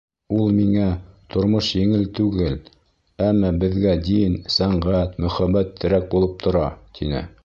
Ул миңә, тормош еңел түгел, әммә беҙгә дин, сәнғәт, мөхәббәт терәк булып тора, тине.